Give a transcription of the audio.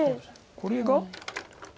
これが。